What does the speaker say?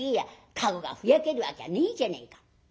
駕籠がふやけるわけはねえじゃねえか。